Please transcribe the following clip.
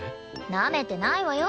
なめてないわよ。